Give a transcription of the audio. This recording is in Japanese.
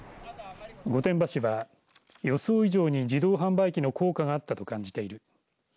御殿場市は予想以上に自動販売機の効果があったと感じている。